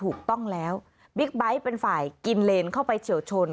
ถูกต้องแล้วบิ๊กไบท์เป็นฝ่ายกินเลนเข้าไปเฉียวชน